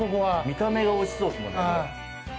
見た目がおいしそうですもんね、もう。